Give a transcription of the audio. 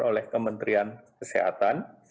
oleh kementerian kesehatan